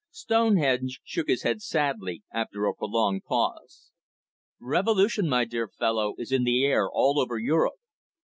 Stonehenge shook his head sadly, after a prolonged pause. "Revolution, my dear fellow, is in the air all over Europe.